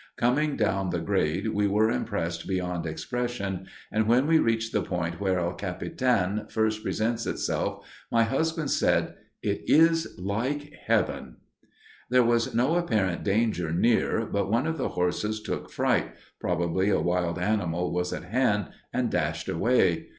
Coming down the Grade we were impressed beyond expression, and, when we reached the point where El Capitan first presents itself, my Husband said, "It is like Heaven." There was no apparent danger near but one of the horses took fright (probably a wild animal was at hand) and dashed away.